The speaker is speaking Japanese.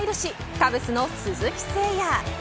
カブスの鈴木誠也。